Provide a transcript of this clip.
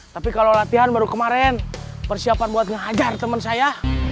tapi kalau latihan baru kemarin persiapan buat ngajar teman saya